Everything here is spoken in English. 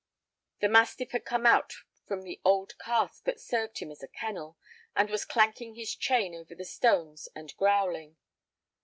The mastiff had come out from the old cask that served him as a kennel, and was clanking his chain over the stones and growling.